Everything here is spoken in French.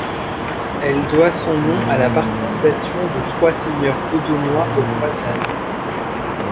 Elle doit son nom à la participation de trois seigneurs audomois aux croisades.